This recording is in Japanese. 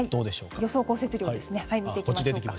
予想降雪量を見ていきましょう。